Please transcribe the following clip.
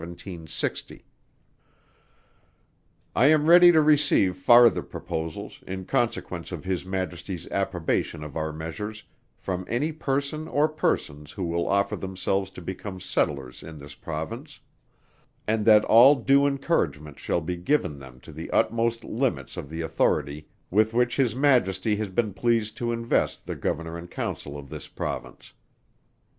_ "I am ready to receive farther proposals, in consequence of His Majesty's approbation of our measures, from any person or persons who will offer themselves to become settlers in this Province; and that all due encouragement shall be given them to the utmost limits of the authority with which His Majesty has been pleased to invest the Governor and Council of this Province.